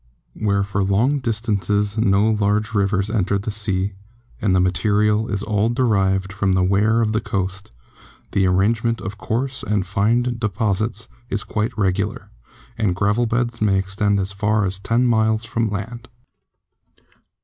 Where for long distances no large rivers enter the sea, 156 GEOLOGY and the material is all derived from the wear of the coast, the arrangement of coarse and fine deposits is quite regular, and gravel beds may extend as far as ten miles from land.